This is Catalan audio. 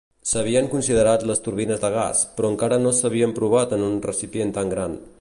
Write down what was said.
S'havien considerat les turbines de gas, però encara no s'havien provat en un recipient tan gran.